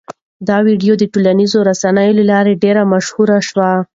دا ویډیو د ټولنیزو رسنیو له لارې ډېره مشهوره شوه.